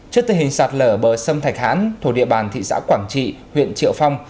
trước tình hình sạt lở bờ sông thạch hán thổ địa bàn thị xã quảng trị huyện triệu phong